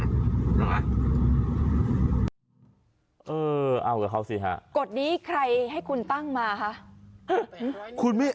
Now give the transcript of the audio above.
น่ะเออเอากับเขาสิฮะกฎนี้ใครให้คุณตั้งมาฮะคุณไม่